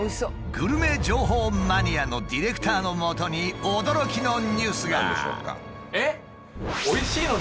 グルメ情報マニアのディレクターのもとに驚きのニュースが。